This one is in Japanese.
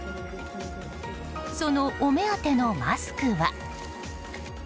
そのお目当てのマスクは。